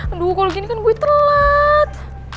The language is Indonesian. aduh kalau gini kan gue telat